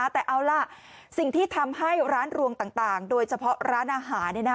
แต่เอาล่ะสิ่งที่ทำให้ร้านรวงต่างโดยเฉพาะร้านอาหาร